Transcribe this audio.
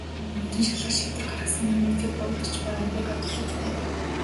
Түүнийг мөрдөн шалгах шийдвэр гаргасанд намайг тэр буруутгаж байгааг би гадарлаж байв.